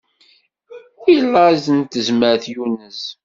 I laẓ n tezmert yunez.